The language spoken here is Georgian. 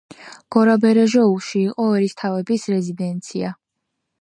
გორაბერეჟოულში იყო ერისთავების რეზიდენცია.